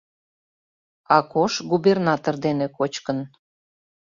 Акош губернатор дене кочкын.